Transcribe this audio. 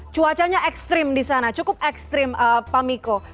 cuacanya ekstrim di sana cukup ekstrim pak miko